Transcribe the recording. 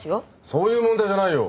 そういう問題じゃないよ。